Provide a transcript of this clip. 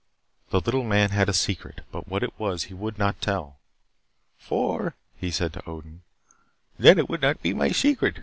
The little man had a secret, but what it was he would not tell. "For," he said to Odin, "then it would not be my secret.